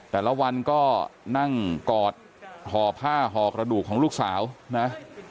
แต่ละวันก็นั่งกอดห่อผ้าห่อกระดูกของลูกสาวนะ